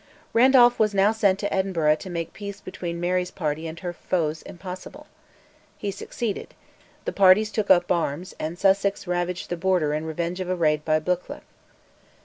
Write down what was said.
Randolph was now sent to Edinburgh to make peace between Mary's party and her foes impossible. He succeeded; the parties took up arms, and Sussex ravaged the Border in revenge of a raid by Buccleuch.